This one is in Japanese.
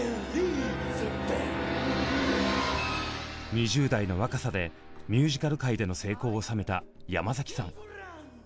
２０代の若さでミュージカル界での成功を収めた山崎さん。